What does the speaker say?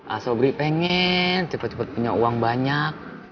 ah sobri pengen cepet cepet punya uang banyak